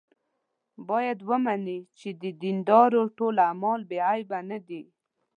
باید ومني چې د دیندارو ټول اعمال بې عیبه نه دي.